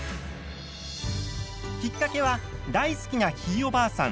きっかけは大好きなひいおばあさん